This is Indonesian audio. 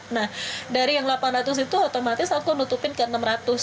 nah dari yang delapan ratus itu otomatis aku nutupin ke enam ratus